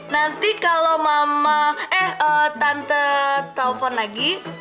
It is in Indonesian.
nanti kalau mama eh tante telpon lagi